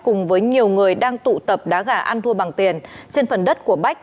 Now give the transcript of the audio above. cùng với nhiều người đang tụ tập đá gà ăn thua bằng tiền trên phần đất của bách